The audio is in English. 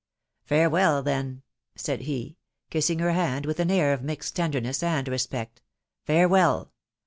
" Farewell then !" said he, kissing her hand with an air of mixed tenderness and respect, " farewell